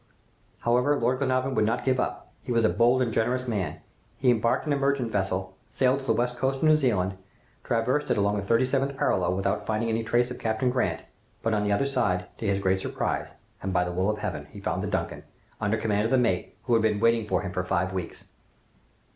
"However, Lord Glenarvan would not give up. He was a bold and generous man. He embarked in a merchant vessel, sailed to the west coast of New Zealand, traversed it along the thirty seventh parallel, without finding any trace of Captain Grant; but on the other side, to his great surprise, and by the will of Heaven, he found the 'Duncan,' under command of the mate, who had been waiting for him for five weeks!